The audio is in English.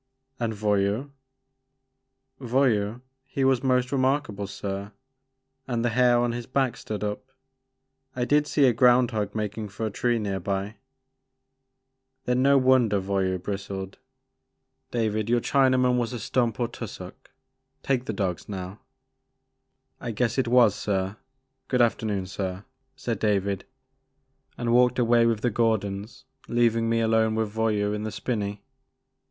And Voyou?" Voyou, he was most remarkable sir, and the hair on his back stood up. I did see a ground hog makin* for a tree near by." Theu no wonder Voyou bristled. David, The Maker of Moons. 1 9 your Chinaman was a stomp or tussock. Take the dogs now.'* I guess it was sir ; good afternoon sir," said David, and walked away with the Gordons leav ing me alone with Voyou in the spinney.